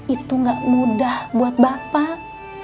itu gak mudah buat bapak